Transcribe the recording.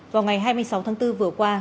vào ngày hai mươi sáu tháng bốn vừa qua